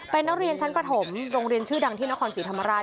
เป็นนักเรียนชั้นประถมโรงเรียนชื่อดังที่นครศรีธรรมราช